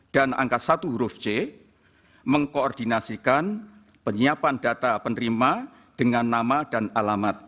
dan angka satu huruf c mengkoordinasikan penyiapan data penerima dengan nama dan alamat